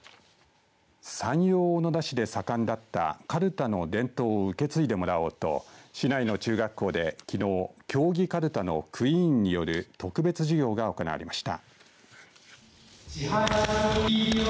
山陽小野田市で盛んだったかるたの伝統を受け継いでもらおうと市内の中学校が競技かるたのクイーンによる特別授業が行われました。